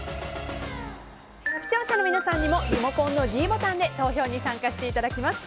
視聴者の皆さんにもリモコンのｄボタンで投票に参加していただきます。